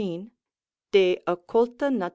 de occult. nat.